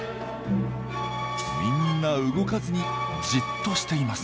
みんな動かずにじっとしています。